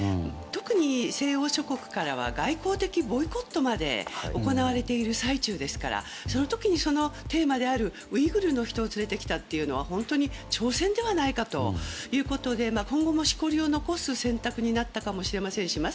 特に西欧諸国からは外交的ボイコットまで行われている最中ですからその時にテーマであるウイグルの人を連れてきたというのは挑戦ではないかということで今後も、しこりを残す選択になったかもしれませんし